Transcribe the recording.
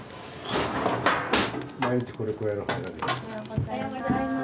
おはようございます。